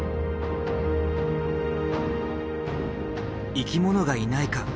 生き物がいないか？